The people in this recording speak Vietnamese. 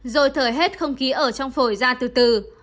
rồi thở hết không khí ở trong phổi ra từ từ